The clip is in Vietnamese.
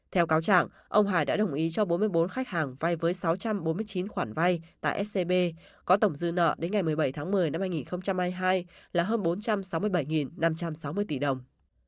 theo cáo trạng ông hải đã đồng ý cho bốn mươi bốn khách hàng vay với sáu trăm bốn mươi chín khoản vay tại scb có tổng dư nợ đến ngày một mươi bảy tháng một mươi năm hai nghìn hai mươi hai là hơn bốn trăm sáu mươi bảy năm trăm sáu mươi tỷ đồng